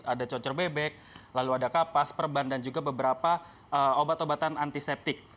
ada cocor bebek lalu ada kapas perban dan juga beberapa obat obatan antiseptik